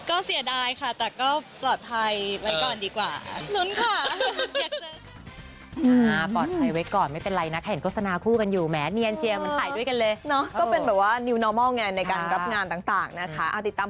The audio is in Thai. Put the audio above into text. ก็เสียดายค่ะแต่ก็ปลอดภัยไว้ก่อนดีกว่า